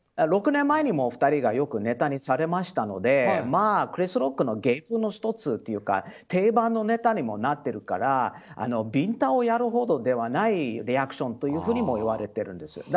６年前にもお二人がよくネタにされたのでクリス・ロックの芸風の１つというか定番のネタにもなってるからビンタをやるほどではないリアクションとも言われてるんです。